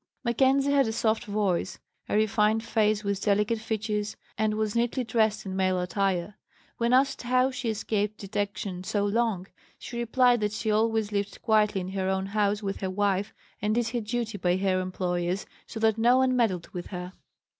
Mackenzie had a soft voice, a refined face with delicate features, and was neatly dressed in male attire. When asked how she escaped detection so long, she replied that she always lived quietly in her own house with her wife and did her duty by her employers so that no one meddled with her.